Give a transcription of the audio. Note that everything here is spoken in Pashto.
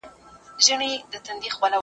زه له سهاره انځور ګورم؟